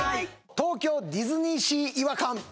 東京ディズニーシー違和感